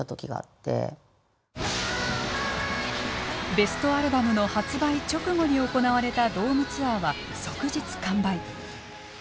ベストアルバムの発売直後に行われたドームツアーは即日完売。